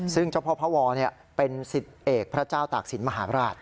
ซึ่งเจ้าพ่อพระวเป็นสิทธิ์เอกพระเจ้าตากศิลปมหาราช